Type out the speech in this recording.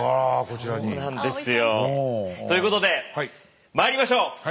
そうなんですよ。ということでまいりましょう。